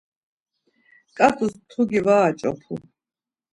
ǩat̆ua mtugi var aç̌opu.